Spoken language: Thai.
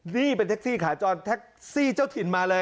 นี่เป็นแท็กซี่ขาจรแท็กซี่เจ้าถิ่นมาเลย